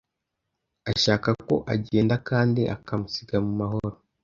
Ashaka ko agenda kandi akamusiga mu mahoro.